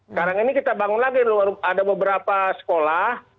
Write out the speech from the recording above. sekarang ini kita bangun lagi ada beberapa sekolah